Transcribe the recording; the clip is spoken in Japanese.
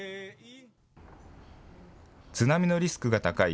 津波のリスクが高い